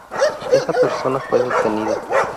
Esa persona fue detenida.